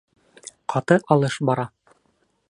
Ҡаты алыш бара.